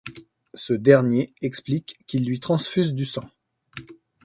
Ce dernier explique qu'il lui transfuse du sang.